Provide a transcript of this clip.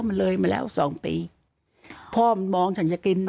มันเลยมาแล้วสองปีพ่อมันมองฉันจะกินนะ